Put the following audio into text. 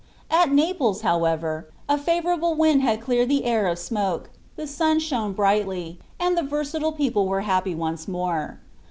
At Naples, however, a favorable wind had cleared the air of smoke, the sun shone brightly, and the versatile people were happy once more.